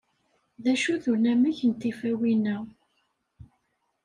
D acu-t unamek n tifawin-a?